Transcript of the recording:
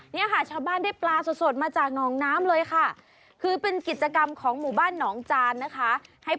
นี่ค่ะชาวบ้านได้ปลาสดมาจากนองน้ำเลยค่ะ